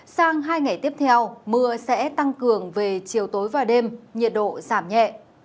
sang hai ngày tiếp theo mưa sẽ tăng cường về chiều tối và đêm nhiệt độ giảm nhẹ